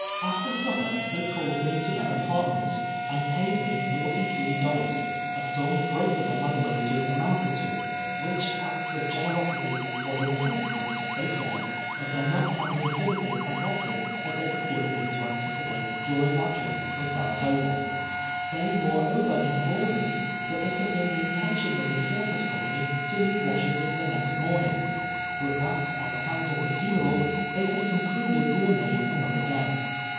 After supper they called me to their apartments, and paid me forty three dollars, a sum greater than my wages amounted to, which act of generosity was in consequence, they said, of their not having exhib ited as often as they had given me to anticipate, du ring our trip from Saratoga. They moreover inform ed me that it had been the intention of the circus company to leave Washington the next morning, but that on account of the funeral, they had concluded to remain another day.